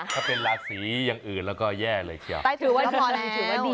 ถ้าเป็นราศีอย่างอื่นแล้วก็แย่เลยเขียวใต้ถุนก็พอแล้วถือว่าดี